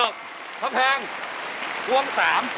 คับแพงคว่องสาม